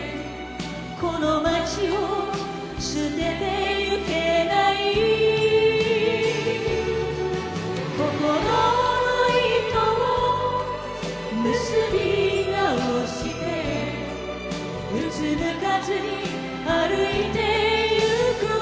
「この街を捨てて行けない」「心の糸を結びなおして」「うつむかずに歩いて行くわ」